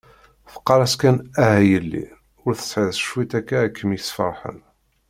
Teqqar-as kan ah a yelli, ur tesɛiḍ cwiṭ akka ad kem-isferḥen.